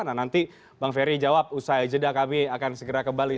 nah nanti bang ferry jawab usai jeda kami akan segera kembali